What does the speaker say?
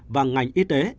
và ngành y tế